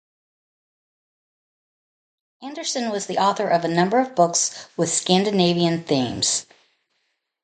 Anderson was the author of a number of books with Scandinavian themes.